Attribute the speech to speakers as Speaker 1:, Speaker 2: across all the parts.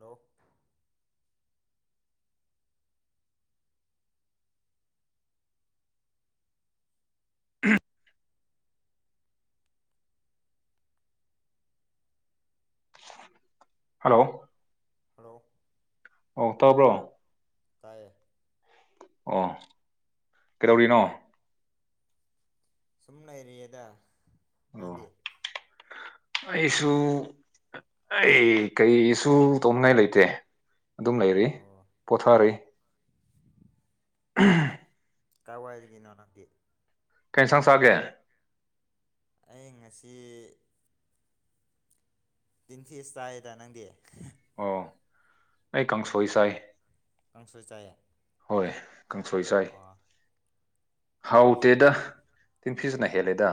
Speaker 1: ꯂꯣ
Speaker 2: ꯑ ꯍꯜꯂꯣ ꯑꯣ ꯇꯕ꯭ꯔꯣ
Speaker 1: ꯇꯥꯏ
Speaker 2: ꯑꯣ ꯀꯩꯗꯧꯔꯤꯅꯣ
Speaker 1: ꯁꯨꯝꯅ ꯑꯦꯔꯤꯌꯥꯗ ꯉꯕꯤ
Speaker 2: ꯑꯩꯁꯨ ꯑꯩ ꯀꯔꯤꯁꯨ ꯇꯧꯅꯤꯡꯉꯥꯏ ꯂꯩꯇꯦ ꯑꯗꯨꯝ ꯂꯩꯔꯤ ꯄꯣꯊꯥꯔꯤ [inaudible]
Speaker 1: ꯀꯋꯥ ꯍꯥꯏꯒ ꯅꯣ ꯅꯪꯒꯤꯦ
Speaker 2: ꯀꯩꯁꯥꯡꯁꯥꯒ
Speaker 1: ꯑꯩ ꯉꯁꯤ ꯇꯤꯟꯊꯤ ꯏꯁ ꯇꯑꯦꯗ ꯅꯪꯗꯤ
Speaker 2: ꯑꯣ ꯑꯩ ꯀꯪꯁꯣꯣꯏꯁꯥꯏ
Speaker 1: ꯄꯪꯁꯨꯣꯏ ꯆꯦ
Speaker 2: ꯍꯣꯏ ꯀꯥꯡꯁꯣꯏ ꯁꯥꯏ ꯍꯥꯎꯇꯦꯗ ꯇꯤꯟ ꯐꯤꯖꯅ ꯍꯦꯜꯂꯦꯗ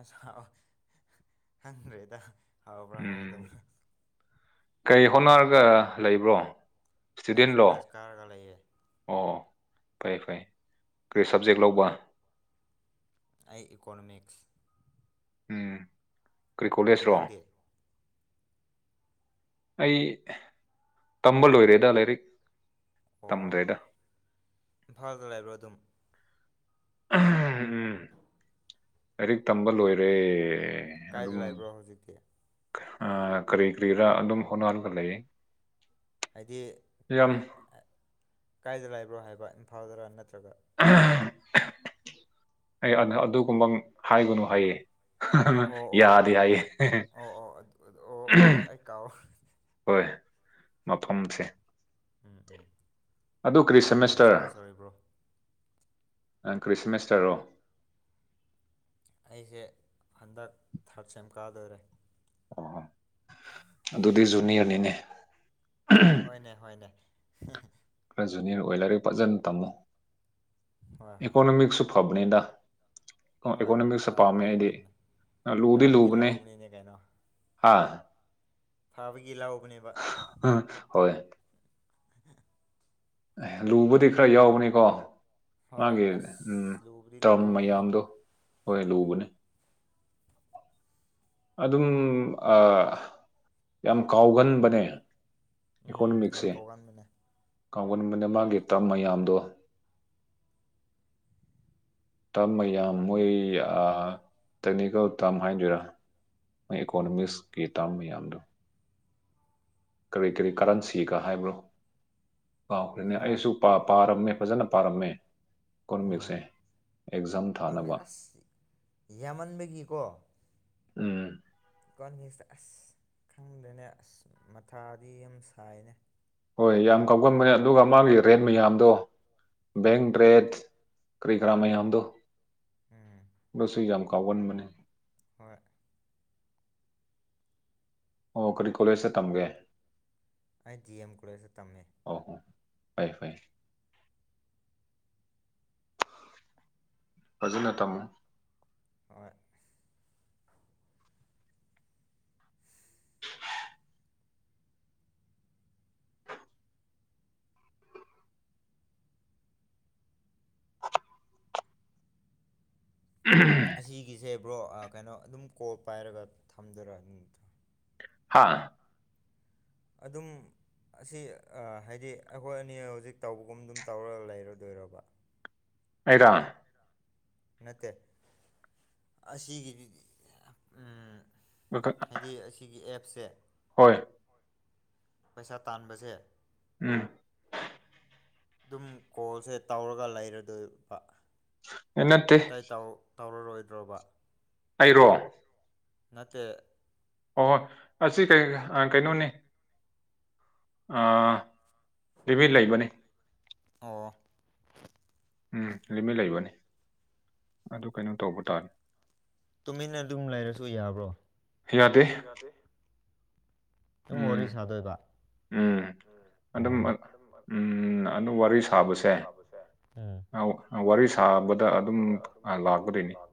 Speaker 1: ꯑꯁ ꯍꯥꯎ ꯍꯟꯗ꯭ꯔꯦꯗ ꯍꯥꯎꯕ꯭ꯔꯥ ꯍꯥꯎꯗꯕ꯭ꯔꯥ
Speaker 2: ꯀꯩ ꯍꯣꯠꯅꯔꯒ ꯂꯩꯕ꯭ꯔꯣ
Speaker 1: ꯑꯩꯗꯤ ꯀꯣꯂꯦꯖ ꯀꯥꯔꯒ ꯂꯩꯌꯦꯦ
Speaker 2: ꯐꯩ ꯐꯩ ꯀꯔꯤ ꯁꯕꯖꯦꯛ ꯂꯧꯕ
Speaker 1: ꯑꯩ ꯏꯀꯣꯅꯣꯃꯤꯛꯁ
Speaker 2: ꯎꯝ ꯀꯔꯤ ꯀꯣꯂꯦꯖ꯭ꯔꯣ ꯑꯩ ꯇꯝꯕ ꯂꯣꯏꯔꯦꯗ ꯂꯥꯏꯔꯤꯛ
Speaker 1: ꯑꯣ ꯏꯝꯐꯥꯜꯗ ꯂꯩꯕ꯭ꯔꯣ ꯑꯗꯨꯝ
Speaker 2: ꯎꯝ ꯂꯥꯏꯔꯤꯛ ꯇꯝꯕ ꯂꯣꯏꯔꯦ
Speaker 1: ꯀꯥꯏꯗ ꯂꯩꯕ꯭ꯔꯣ ꯍꯧꯖꯤꯛꯇꯤ
Speaker 2: ꯀꯔꯤ ꯀꯔꯤꯔ ꯑꯗꯨꯝ ꯍꯣꯠꯅꯍꯟꯒ ꯂꯩ
Speaker 1: ꯍꯥꯏꯗꯤ ꯀꯥꯏꯗ ꯂꯩꯕ꯭ꯔꯣ ꯍꯥꯏꯕ ꯏꯝꯐꯥꯜꯗꯔ ꯅꯠꯇ꯭ꯔꯒꯅ
Speaker 2: ꯑ ꯑꯩ ꯑꯗꯨꯒꯨꯝꯕꯪ ꯍꯥꯏꯒꯨꯅꯨ ꯍꯌꯦ ꯌꯥꯗ ꯌꯥꯏꯌꯦ ꯍꯣꯏ ꯃꯐꯝꯁꯦ ꯑꯗꯨ ꯀ꯭ꯔꯤ ꯁꯦꯃꯦꯁꯇꯔ ꯑ ꯈ꯭ꯔꯤꯁꯃꯁꯇꯔꯣ
Speaker 1: ꯑꯩꯁꯦ ꯍꯟꯗꯛ ꯊꯥꯔꯠ ꯁꯦꯝ ꯀꯥꯗꯔꯦ
Speaker 2: ꯑꯗꯨꯗꯤ ꯖꯨꯅꯤꯌꯔꯅꯤꯅꯦ
Speaker 1: ꯍꯣꯏꯅꯦ ꯍꯣꯏꯅꯦ
Speaker 2: ꯖꯨꯅꯤꯌꯔ ꯑꯣꯏ ꯂꯩꯔꯦ ꯐꯖꯅ ꯇꯝꯃꯨ ꯏꯀꯣꯅꯣꯃꯤꯛꯁꯨ ꯐꯕꯅꯤꯗ ꯏꯀꯣꯅꯣꯃꯤꯛꯁꯇ ꯄꯥꯝꯃꯦ ꯑꯩꯗꯤ ꯂꯨꯗꯤ ꯂꯨꯕꯅꯦ ꯍꯥ
Speaker 1: ꯐꯥꯕꯒꯤ ꯂꯥꯛꯕꯅꯦꯕ
Speaker 2: ꯑꯦ ꯂꯨꯕꯗꯤ ꯈꯔ ꯌꯥꯎꯕꯅꯤꯀꯣ ꯃꯥꯒꯤ ꯇꯔꯝ ꯃꯌꯥꯝꯗꯣ ꯍꯣꯏ ꯂꯨꯕꯅꯤ ꯑꯗꯨꯝ ꯌꯥꯝ ꯀꯥꯎꯒꯟꯕꯅꯦ
Speaker 1: ꯎꯝ ꯌꯥꯝ ꯀꯧꯉꯥꯟꯕꯅꯦ
Speaker 2: ꯀꯥꯎꯒꯟꯕꯗ ꯃꯥꯒꯤ ꯇꯞ ꯃꯌꯥꯝꯗꯣ ꯇꯝꯌꯥꯝ ꯃꯣꯏ ꯇꯦꯛꯅꯤꯀꯦꯜ ꯇꯝ ꯍꯥꯏꯗꯣꯏꯔꯥ ꯏꯀꯣꯅꯣꯃꯤꯛꯁꯀꯤ ꯇꯥꯝ ꯌꯥꯝ ꯀꯔꯤ ꯀꯔꯤ ꯀꯥꯔꯟꯁꯤꯒ ꯍꯥꯏꯕ꯭ꯔꯣ ꯄꯥꯎꯈ꯭ꯔꯦꯅꯦ ꯑꯩꯁꯨ ꯄꯥꯔꯝꯃꯦ ꯐꯖꯅ ꯄꯥꯔꯝꯃꯦ ꯏꯀꯣꯅꯣꯃꯤꯛꯁꯦ
Speaker 1: ꯀꯃꯦ ꯑꯁ ꯌꯥꯝꯃꯟꯕꯒꯤꯀꯣ
Speaker 2: ꯎꯝ
Speaker 1: ꯏꯀꯣꯅꯣꯃꯤꯁꯇ ꯑꯁ ꯈꯪꯗ꯭ꯔꯦꯅꯦ ꯑꯁ ꯃꯊꯥꯗꯤ ꯌꯥꯝ ꯁꯥꯏꯅꯦ
Speaker 2: ꯍꯣꯏ ꯌꯥꯝ ꯀꯥꯎꯒꯟꯕꯅꯦ ꯑꯗꯨꯒ ꯃꯥꯒꯤ ꯔꯦꯠ ꯃꯌꯥꯝꯗꯣ ꯕꯦꯡ ꯭ꯔꯦꯠ ꯀꯔꯤꯈ꯭ꯔꯃꯦꯗ ꯁꯣꯏ ꯌꯥꯝ ꯌꯥꯝ ꯀꯥꯎ ꯋꯥꯟ ꯃꯅꯤꯅꯦ
Speaker 1: ꯍꯣꯏ
Speaker 2: ꯑꯣ ꯀꯔꯤ ꯀꯣꯂꯦꯖꯁꯦ ꯊꯝꯒꯦ
Speaker 1: ꯑꯩ ꯖꯤ ꯑꯦꯝ ꯀꯔꯁꯦ ꯇꯝꯃꯦ
Speaker 2: ꯐꯔ ꯐꯔ ꯍꯧꯖꯤꯅ ꯇꯃꯣ
Speaker 1: ꯑꯁꯤꯒꯤꯁꯦ ꯕ꯭ꯔꯣ ꯀꯩꯅꯣ ꯑꯗꯨꯝ ꯀꯣꯜ ꯄꯥꯏꯔꯒ ꯊꯝꯖꯔ ꯑꯗꯨꯗ
Speaker 2: ꯍꯥ
Speaker 1: ꯑꯗꯨꯝ ꯑꯁꯤ ꯍꯥꯏꯗꯤ ꯑꯩꯈꯣꯏ ꯑꯅꯤ ꯍꯧꯖꯤꯛ ꯇꯧꯕꯒꯨꯝ ꯑꯗꯨꯝ ꯇꯧꯔꯒ ꯂꯩꯔꯗꯣꯏꯔꯕ
Speaker 2: ꯑꯥꯡ
Speaker 1: ꯅꯠꯇꯦ ꯑꯁꯤꯒꯤꯗꯤ ꯍꯥꯏꯗꯤ ꯑꯁꯤꯒꯤ ꯑꯦꯞꯁꯦ
Speaker 2: ꯍꯣꯏ
Speaker 1: ꯄꯩꯁꯥ ꯇꯥꯟꯕꯁꯦ
Speaker 2: ꯎꯝ
Speaker 1: ꯑꯗꯨꯝ ꯀꯣꯜꯁꯦ ꯇꯧꯔꯒ ꯂꯩꯔꯗꯣꯏꯕ
Speaker 2: ꯌꯦꯟꯅꯠꯇꯦ
Speaker 1: ꯇꯧꯔꯔꯣꯏꯗ꯭ꯔꯕ
Speaker 2: ꯑꯩꯔꯣ
Speaker 1: ꯅꯠꯇ
Speaker 2: ꯍ ꯑꯁꯤ ꯀꯩꯅꯣꯅꯤ ꯔꯤꯚ ꯂꯩꯕꯅꯤ
Speaker 1: ꯑꯣ
Speaker 2: ꯎꯝ ꯂꯤꯃꯤꯠ ꯂꯩꯕꯅꯤ ꯑꯗꯨ ꯀꯩꯅꯣ ꯇꯧꯕ ꯇꯥꯔꯦ
Speaker 1: ꯇꯨꯃꯤꯟꯅ ꯑꯗꯨꯝ ꯂꯩꯔꯁꯨ ꯌꯥꯕ꯭ꯔꯣ
Speaker 2: ꯍꯌꯥꯗꯤ ꯎꯝ ꯎꯝ ꯑꯗꯨꯝ ꯎꯝ ꯑꯗꯨ ꯋꯥꯔꯤ ꯁꯥꯕꯁꯦ ꯋꯥꯔꯤ ꯁꯥꯕꯗ ꯑꯗꯨꯝ ꯂꯥꯛꯀꯗꯣꯏꯅꯤ [inaudible]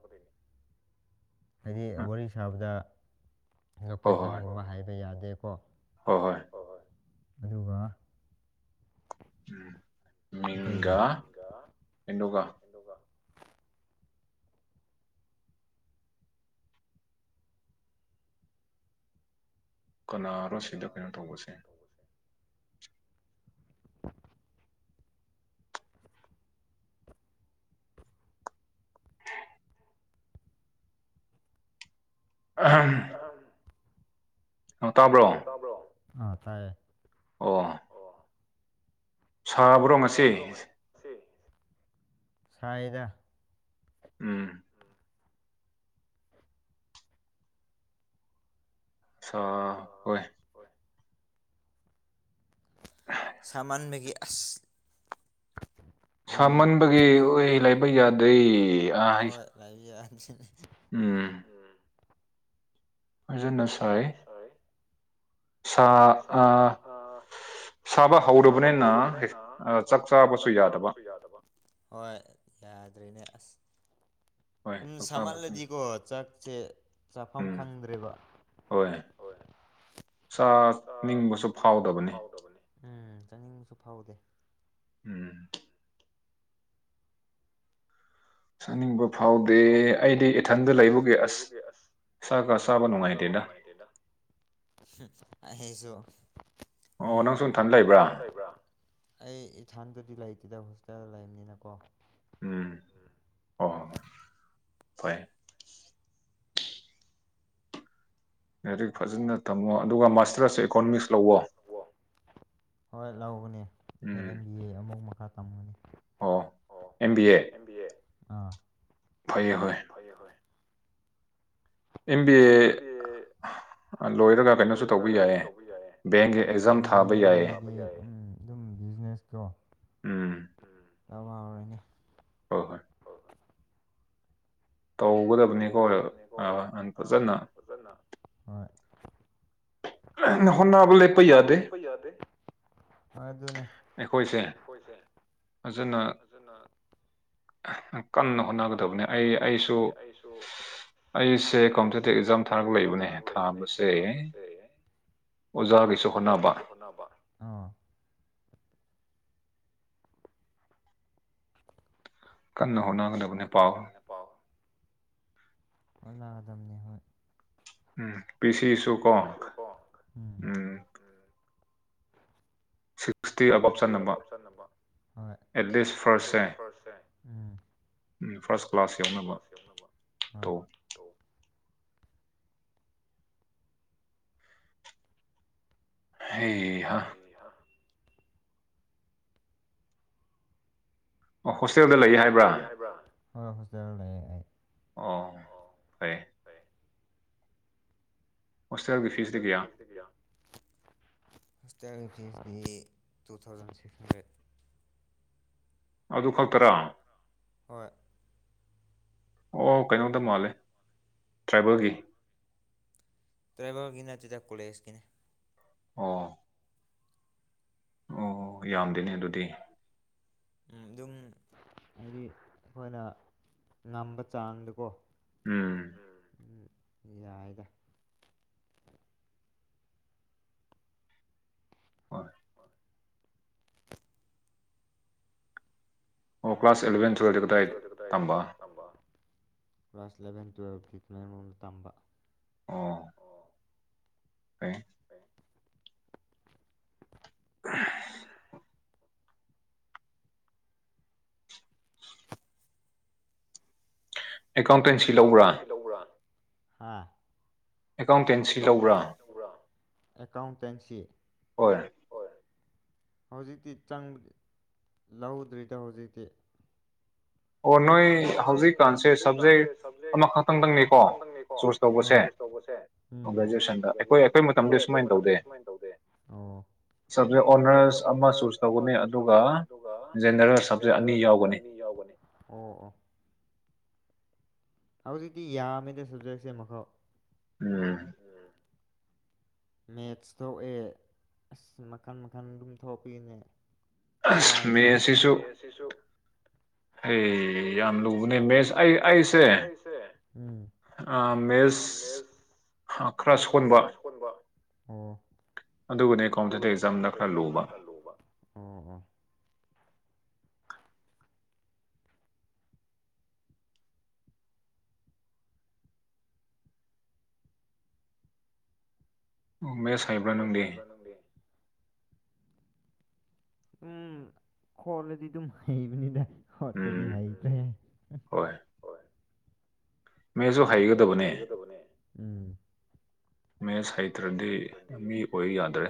Speaker 1: ꯍꯥꯏꯗꯤ ꯋꯥꯔꯤ ꯁꯥꯕꯗ ꯂꯣꯀꯦꯁꯟꯒꯨꯝꯕ ꯍꯥꯏꯕ ꯌꯥꯗꯦꯀꯣ
Speaker 2: ꯍꯣꯏ ꯍꯣꯏ
Speaker 1: ꯑꯗꯨꯒ
Speaker 2: ꯎꯝ ꯃꯤꯒꯥꯥ ꯑꯦꯣꯒꯥ ꯀꯅꯥꯔꯣ ꯁꯤꯗ ꯀꯩꯅꯣ ꯇꯧꯕꯁꯦ ꯑꯍꯝ ꯑ ꯇꯥꯕ꯭ꯔꯣ
Speaker 1: ꯑ ꯇꯥꯏꯌꯦ
Speaker 2: ꯑꯣ ꯁꯥꯕ꯭ꯔꯣ ꯉꯁꯤ
Speaker 1: ꯐꯥꯏꯗ
Speaker 2: ꯎꯝ ꯑꯆꯥ ꯍꯣꯏ
Speaker 1: ꯁꯃꯟꯕꯒꯤ ꯑꯁ
Speaker 2: ꯁꯥꯃꯟꯕꯒꯤ ꯑꯣꯏ ꯂꯥꯏꯕ ꯌꯥꯗꯦ
Speaker 1: ꯍꯣꯏ ꯂ ꯋꯥꯟꯁꯤ
Speaker 2: ꯎꯝ ꯐꯖꯅ ꯁꯥꯏ ꯁꯥ ꯑꯥ ꯁꯥꯕ ꯍꯧꯨꯔꯕꯅꯤꯅ ꯆꯥꯛ ꯆꯥꯕꯁꯨ ꯌꯥꯗꯕ
Speaker 1: ꯍꯣꯏ ꯌꯥꯗ꯭ꯔꯦꯅꯦ ꯑꯁ ꯎꯝ ꯁꯥꯍꯜꯂꯗꯤꯀꯣ ꯆꯥꯛꯁꯦ ꯆꯥꯐꯝ ꯈꯪꯗ꯭ꯔꯦꯕ
Speaker 2: ꯍꯣꯏ
Speaker 1: ꯆꯥꯅꯤꯡꯕꯁꯨ ꯐꯥꯎꯗꯕꯅꯦ ꯎꯝ ꯆꯥꯅꯤꯡꯕꯁꯨ ꯐꯥꯎꯗꯦ
Speaker 2: ꯆꯥꯅꯤꯡꯕ ꯐꯥꯎꯗꯦ ꯑꯩꯗꯤ ꯏꯊꯟꯗ ꯂꯩꯕꯒ ꯑꯁ ꯁꯥ ꯀ ꯁꯕ ꯅꯨꯡꯉꯥꯏꯇꯦꯗ
Speaker 1: ꯍꯥꯏꯁꯨ ꯎꯝ ꯑꯣ ꯅꯪ ꯁꯊ ꯂꯩꯕ꯭ꯔꯥ ꯑꯩ ꯏꯊ ꯁꯤ ꯂꯩꯇꯦꯗ ꯍꯣꯁꯇꯦꯜ ꯂꯩꯕꯅꯤꯅ ꯀꯣ
Speaker 2: ꯎꯝ ꯑꯣ ꯍꯣ ꯍ ꯐ ꯂꯥꯏꯔꯤꯛ ꯐꯖꯅ ꯊꯝꯃꯣ ꯑꯗꯨꯒ
Speaker 1: ꯇꯔ ꯀꯃꯤꯁ ꯅ ꯍꯣꯏ ꯂꯧꯕꯅꯦ ꯑꯩ ꯑꯦꯝ ꯕꯤ ꯑꯦ ꯑꯃꯨꯛ ꯃꯈꯥ
Speaker 2: ꯑꯣ ꯑꯦꯝꯕꯤ ꯑꯦ
Speaker 1: ꯑꯥ
Speaker 2: ꯐ ꯍꯣꯏ ꯑꯦꯦꯝ ꯤ ꯑꯦ
Speaker 1: ꯂꯣꯏꯔꯒ ꯀꯩꯅꯣꯁꯨ ꯇꯧꯕ ꯌꯥꯏꯌꯦ ꯕꯦꯡ ꯌꯥꯏꯌꯦ ꯕꯤꯖꯤꯅꯦꯁ ꯀꯣ
Speaker 2: ꯎꯝ
Speaker 1: ꯌꯥꯝ ꯋꯥꯔꯅꯦ
Speaker 2: ꯍꯣꯏ ꯍꯣꯏ ꯇꯧꯒꯗꯕꯅꯤꯀꯣ ꯑ ꯐꯖꯅ ꯍꯣꯟꯅꯕ ꯂꯩ ꯄꯩꯌꯥꯗ
Speaker 1: ꯑꯗꯨꯅꯤ ꯑꯩꯈꯣꯏꯁꯦ ꯐꯖꯅ
Speaker 2: ꯀꯟꯅ ꯍꯣꯠꯅꯒꯗꯕꯅꯤ ꯑꯩ ꯑꯩꯁꯨ ꯑꯩꯁꯦ ꯀꯝꯄꯤꯇꯤꯇꯤꯞ ꯑꯦꯛꯖꯥꯝ ꯊꯥꯔꯛ ꯂꯩꯕꯅꯦ ꯊꯥꯕꯁꯦ
Speaker 1: ꯑꯣꯖꯥꯔꯤꯁꯨ ꯍꯣꯅꯥꯕꯥ
Speaker 2: ꯀꯟꯅ ꯍꯣꯠꯅꯒꯗꯕꯅꯦ ꯄꯥꯎ
Speaker 1: ꯍ ꯂꯥꯛꯒꯗꯕꯅꯦ ꯍꯣꯏ
Speaker 2: ꯎꯝ ꯄꯤꯁꯤꯁꯨꯨꯀ ꯎꯝ
Speaker 1: [inaudible] ꯁꯤꯛꯁꯇꯤ ꯑꯕꯞ ꯆꯠꯅꯕ ꯑꯦꯠꯂꯤꯁ ꯐꯥꯔꯁꯁꯦ
Speaker 2: ꯎꯝ ꯐꯥꯔꯁ
Speaker 1: ꯐꯥꯔꯁ ꯀ꯭ꯂꯥꯁ ꯌꯥꯎꯅꯕ
Speaker 2: ꯍꯦ ꯍ ꯑꯣ ꯍꯣꯁꯇꯦꯜꯗ ꯂꯩ ꯍꯥꯏꯕ꯭ꯔꯥ
Speaker 1: ꯍ ꯍꯣꯁꯇꯇꯥ ꯂꯩ
Speaker 2: ꯑꯣ ꯐꯔ ꯍꯣꯁꯇꯦꯜꯒꯤ ꯐꯤꯁꯗꯤ ꯀꯌꯥ
Speaker 1: ꯇꯨ ꯊꯥꯎꯖꯟ ꯁꯤꯛꯁ
Speaker 2: ꯑꯗꯨ ꯈꯛꯇꯔꯥ
Speaker 1: ꯍꯣꯏ
Speaker 2: ꯑꯣ ꯀꯩꯅꯣꯝꯗ ꯃꯥꯜꯂꯦ ꯇ꯭ꯔꯥꯏꯕꯦꯜꯒꯤ
Speaker 1: ꯇ꯭ꯔꯥꯏꯕꯔꯒꯤꯅ ꯆꯤ ꯇ ꯀꯣꯂꯦꯁꯀꯤꯅꯦ
Speaker 2: ꯑ ꯑꯣ ꯌꯥꯝꯗꯤꯅꯦ ꯑꯗꯨꯗꯤ
Speaker 1: ꯑꯗꯨꯝ ꯍꯥꯏꯗꯤ ꯑꯩꯈꯣꯏꯅ ꯉꯝꯕ ꯆꯥꯡꯗꯀꯣ
Speaker 2: ꯎꯝ
Speaker 1: ꯌꯥꯑꯒ
Speaker 2: ꯍꯣꯏ ꯑꯣ ꯀ꯭ꯂꯥꯁ ꯑꯦꯂꯕꯦꯟ ꯇꯨꯋꯦꯜꯗꯤ ꯀꯗꯥꯏ ꯇꯝꯕ
Speaker 1: ꯀ꯭ꯂꯥꯁ ꯏꯂꯚꯦꯟ ꯇꯨꯌꯦꯦꯜꯐꯀꯤ ꯇꯃꯦꯟ ꯃ ꯇꯝꯕ
Speaker 2: ꯍ [inaudible] ꯑꯦꯀꯥꯎꯟꯇꯦꯟꯁꯤ ꯂꯧꯕ꯭ꯔꯥ
Speaker 1: ꯍꯥꯥ
Speaker 2: ꯑꯦꯀꯥꯎꯟ
Speaker 1: ꯀꯟꯧꯕ꯭ꯔ ꯑꯦꯀꯥꯎꯟꯇꯦꯟꯁꯤ ꯍꯣꯏ ꯍꯧꯖꯤꯛꯇꯤ ꯆꯪ ꯂꯧꯧꯗ꯭ꯔꯤꯗ ꯍꯧꯖꯤꯛꯇꯤ
Speaker 2: ꯑꯣ ꯅꯣꯏ ꯍꯧꯖꯤꯛꯀꯥꯟꯁꯦ ꯁꯕꯖꯦꯛ ꯑꯃꯈꯛꯇꯪꯗꯪꯅꯤꯀꯣ ꯆꯨꯁ ꯇꯧꯕꯁꯦ
Speaker 1: ꯦꯣꯏ ꯑꯩꯈꯣꯏ ꯃꯇꯝꯗ ꯁꯨꯃꯥꯏꯅ ꯇꯧꯗꯦ ꯁꯕꯖꯦꯛ ꯑꯣꯅꯔꯁ ꯑꯃ ꯆꯨꯁ ꯇꯧꯒꯅꯤ ꯑꯗꯨꯒ ꯖꯦꯅꯔꯦꯜ ꯁꯕꯖꯦꯛ ꯑꯅꯤ ꯌꯥꯎꯒꯅꯤ ꯑꯣ ꯑꯣ ꯍꯧꯖꯤꯛꯇꯤ ꯌꯥꯝꯃꯦꯗ ꯁꯕꯖꯦꯛꯁꯦ ꯑꯃꯛ
Speaker 2: ꯎꯝ
Speaker 1: ꯃꯦꯠꯁ ꯊꯣꯛꯑꯦ ꯑꯁ ꯃꯈꯟ ꯃꯈꯜ ꯑꯗꯨꯝ ꯊꯣꯛꯄꯤꯅꯦ ꯋꯥ ꯃꯦ ꯑꯁꯤꯁꯨ
Speaker 2: ꯍ ꯌꯥꯝ ꯂꯨꯕꯅꯦ ꯃꯦꯁ ꯑꯩ ꯑꯩꯁꯦ ꯃꯦꯁ ꯈꯔ ꯁꯣꯟꯕ
Speaker 1: ꯎ ꯑꯗꯨꯒꯕꯨꯅꯦ ꯀꯣꯇ ꯑꯦꯛꯖꯝꯅ ꯈꯔ ꯂꯨꯕ ꯎ
Speaker 2: ꯃꯦꯁꯥꯏꯕ꯭ꯔꯥ ꯅꯪꯗꯤ
Speaker 1: ꯎꯝ ꯈꯣꯂꯗꯤ ꯑꯗꯨꯝ ꯍꯩꯕꯅꯤꯗ ꯍꯠꯇꯗꯤ ꯍꯥꯏ ꯀꯦ ꯃꯁꯨ ꯍꯥꯏꯩꯒꯗꯕꯅꯦ
Speaker 2: ꯃꯦ ꯍꯩꯇ꯭ꯔꯗꯤ ꯃꯤ ꯑꯣꯏ ꯌꯥꯗ꯭ꯔꯦ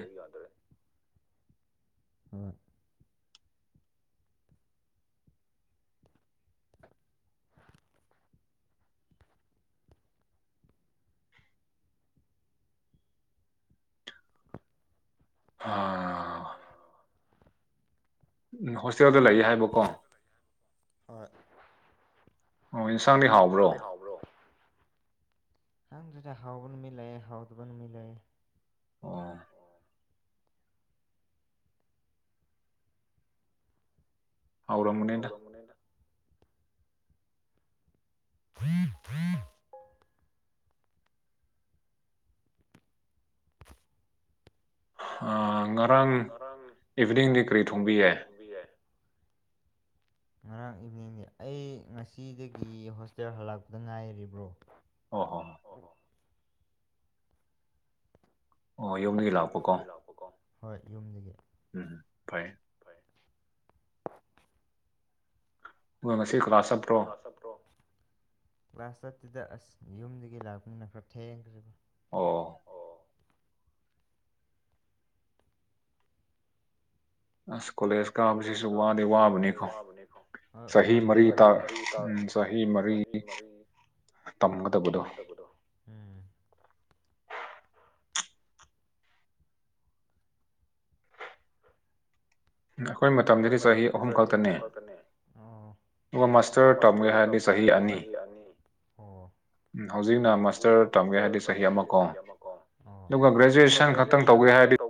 Speaker 2: ꯍ ꯎ ꯍꯣꯁꯇꯦꯜꯗ ꯂꯩ ꯍꯥꯏꯕꯀꯣ ꯑꯣ ꯑꯦꯟꯁꯥꯡꯗꯤ ꯍꯥꯎꯕ꯭ꯔꯣ
Speaker 1: ꯍꯪ ꯆ ꯍꯥꯎꯕ ꯃꯤꯂꯦ ꯍꯥꯎꯗꯨꯕ ꯃꯤꯂꯦ
Speaker 2: ꯑꯣ ꯍꯧꯥꯎꯔꯃꯅꯤꯗ
Speaker 1: ꯐ꯭ꯔꯤ ꯐ꯭ꯔꯤ
Speaker 2: ꯉꯔꯥꯡ ꯏꯚꯅꯤꯡꯗꯤ ꯀꯔꯤ ꯊꯣꯡꯕꯤ ꯌꯥꯏ [inaudible]
Speaker 1: ꯉꯔꯥꯡ ꯏꯚꯤꯅꯤꯡꯗꯤ ꯑꯩ ꯉꯁꯤꯗꯒꯤ ꯍꯣꯁꯇꯦꯜ ꯍꯜꯂꯛꯄꯗ ꯉꯥꯏꯔꯤꯕ꯭ꯔꯣ
Speaker 2: ꯑꯣ ꯌꯨꯝꯗꯒꯤ ꯂꯥꯛꯄꯀꯣ
Speaker 1: ꯍꯣꯏ ꯌꯨꯝꯗꯒꯤ
Speaker 2: ꯎꯝ ꯐꯥꯏ ꯑꯗꯨꯒ ꯃꯁꯤ ꯀ꯭ꯂꯥꯁ ꯆꯞꯄ꯭ꯔꯣ
Speaker 1: ꯀ꯭ꯂꯥꯁ ꯊꯔꯠꯇꯨꯗ ꯑꯁ ꯌꯨꯝꯗꯒꯤ ꯂꯥꯛꯄꯅꯤꯅ ꯈꯔ ꯊꯦꯡꯈ꯭ꯔꯦꯕ
Speaker 2: ꯑꯣ ꯑꯁ ꯀꯣꯂꯦꯖ ꯀꯥꯕꯁꯤꯁꯨ ꯋꯥꯗꯤ ꯋꯥꯕꯅꯤꯀꯣ ꯆꯍꯤ ꯃꯔꯤ ꯇꯥ ꯎꯝ ꯆꯍꯤ ꯃꯔꯤ ꯇꯝꯒꯗꯕꯗꯣ [inaudible]
Speaker 1: ꯑꯩꯈꯣꯏ ꯃꯇꯝꯁꯤꯗꯤ ꯆꯍꯤ ꯑꯍꯨꯝ ꯈꯛꯇꯅꯦ ꯃꯥꯁꯇꯔ ꯇ ꯍꯥꯏꯗꯤ ꯁꯍꯤ ꯑꯅꯤ ꯍꯧꯖꯤꯛꯅ ꯃꯥꯁꯇꯔ ꯇꯝꯒꯦ ꯍꯥꯏꯕꯗꯤ ꯆꯍꯤ ꯑꯃ ꯀꯣ ꯑꯗꯨꯒ ꯒ꯭ꯔꯦꯖꯨꯑꯦꯁꯟ ꯈꯛꯇꯪ ꯇ